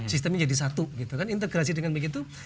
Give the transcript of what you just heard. sistemnya jadi satu integrasi dengan begitu